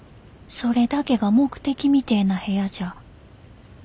それだけが目的みてえな部屋じゃ。